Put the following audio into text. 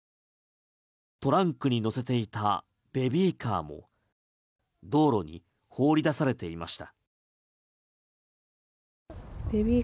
トランクに乗せていたベビーカーも道路に放り出されていました。